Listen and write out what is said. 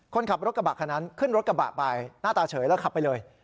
คนขับรถกระบะคนนั้นขึ้นรถกระบะไปหน้าตาเฉยแล้วขับไปเลย